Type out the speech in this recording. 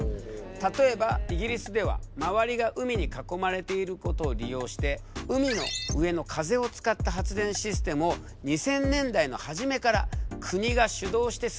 例えばイギリスでは周りが海に囲まれていることを利用して海の上の風を使った発電システムを２０００年代の初めから国が主導して進めたんだ。